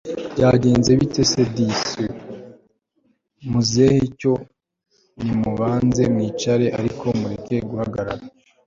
byagenze bite se disi! muzehe cyo nimubanze mwicare ariko mureke guhagarara